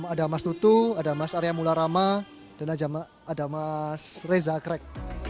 ada mas tutu ada mas arya mularama dan ada mas reza krek